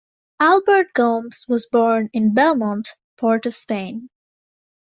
Albert Gomes was born in Belmont, Port of Spain.